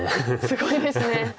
すごいですね。